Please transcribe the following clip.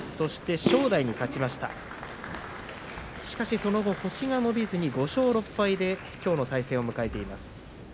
しかし、その後星が伸びずに５勝６敗できょうの対戦を迎えています。